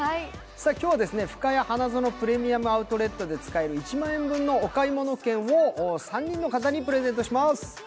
今日はふかや花園プレミアム・アウトレットで使える１万円分のお買い物券を３人の方にプレゼントします。